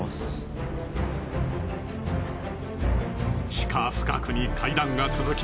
地下深くに階段が続き